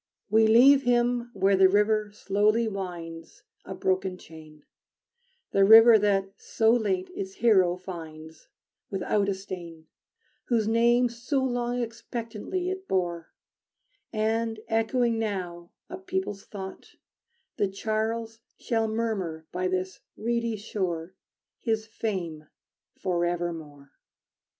We leave him where the river slowly winds, A broken chain; The river that so late its hero finds, Without a stain, Whose name so long expectantly it bore; And, echoing now a people's thought, The Charles shall murmur by this reedy shore His fame forevermore.